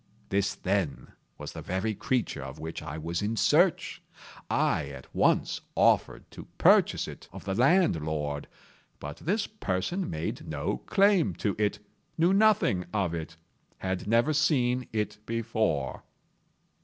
This, then, was the very creature of which I was in search. I at once offered to purchase it of the landlord; but this person made no claim to it—knew nothing of it—had never seen it before.